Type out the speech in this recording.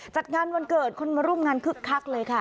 จัดงานวันเกิดคนมาร่วมงานคึกคักเลยค่ะ